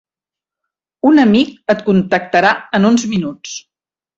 Un amic et contactarà en uns minuts.